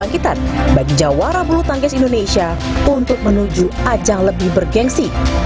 kebangkitan bagi jawara bulu tangkis indonesia untuk menuju ajang lebih bergensi